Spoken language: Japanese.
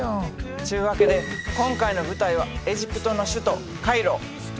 ちゅうわけで今回の舞台はエジプトの首都カイロ。